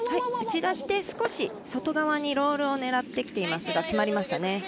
打ち出して、少し外側にロールを狙ってきていますが決まりましたね。